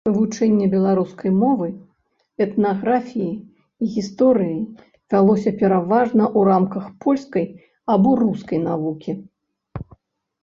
Вывучэнне беларускай мовы, этнаграфіі, гісторыі вялося пераважна ў рамках польскай або рускай навукі.